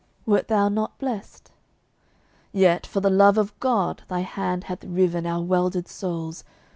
Wert thou not blest? Yet, for the love of God, thy hand hath riven Our welded souls.